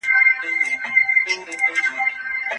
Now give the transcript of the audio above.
د ازموینې پایلې ښيي چې کارکوونکي متمرکز شول.